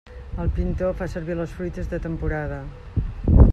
El pintor fa servir les fruites de temporada.